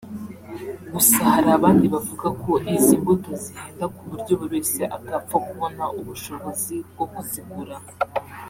Gusa hari abandi bavuga ko izi mbuto zihenda ku buryo buri wese atapfa kubona ubushobozi bwo kuzigura